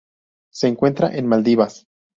Se encuentra en Maldivas.